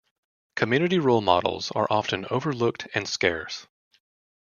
Community role models are often overlooked and scarce.